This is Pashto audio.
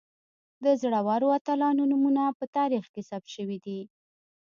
د زړورو اتلانو نومونه په تاریخ کې ثبت شوي دي.